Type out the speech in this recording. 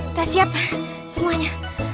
udah siap semuanya